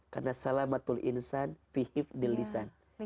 karena salamatul insan fihif dilisan